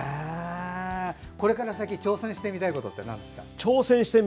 これから先挑戦してみたいことってなんですか？